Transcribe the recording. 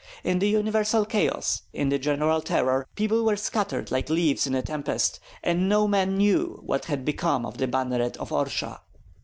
In the universal chaos, in the general terror, people were scattered like leaves in a tempest, and no man knew what had become of the banneret of Orsha.